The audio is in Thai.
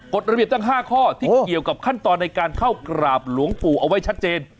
กฎระเบียบตั้ง๕ข้อที่เกี่ยวกับขั้นตอนในการเข้ากราบหลวงปู่เอาไว้ชัดเจน